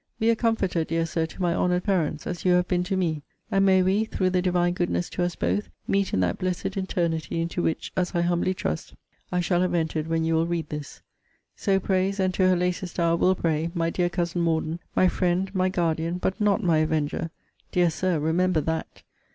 Be a comforter, dear Sir, to my honoured parents, as you have been to me; and may we, through the Divine goodness to us both, meet in that blessed eternity, into which, as I humbly trust, I shall have entered when you will read this. So prays, and to her latest hour will pray, my dear Cousin Morden, my friend, my guardian, but not my avenger [dear Sir! remember that!